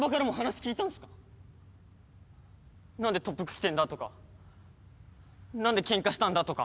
何で特服着てんだとか何でケンカしたんだとか。